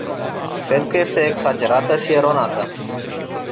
Cred că este exagerată și eronată.